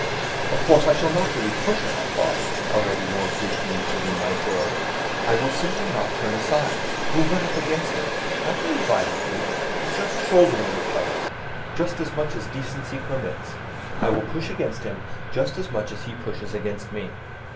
"Of course I shall not really push him," I thought, already more good natured in my joy. "I will simply not turn aside, will run up against him, not very violently, but just shouldering each other—just as much as decency permits. I will push against him just as much as he pushes against me."